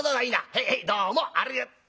へいへいどうもありがと。